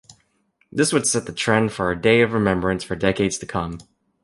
This would set the trend for a day of Remembrance for decades to come.